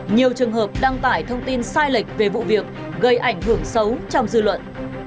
nhiều trường hợp đăng tải thông tin sai lệch về vụ việc gây ảnh hưởng xấu trong dư luận